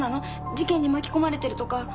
事件に巻き込まれてるとか。